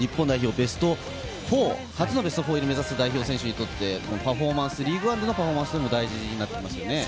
ベスト４、初のベスト４入りを目指す日本代表選手にとって、リーグワンでのパフォーマンスも大事になってきますよね。